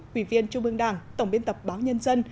quỷ viên trung ương đảng tổng biên tập báo nhân dân